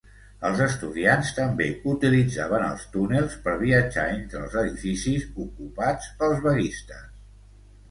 Els estudiants també utilitzaven els túnels per viatjar entre els edificis ocupats pels vaguistes.